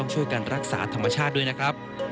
ช่วยกันรักษาธรรมชาติด้วยนะครับ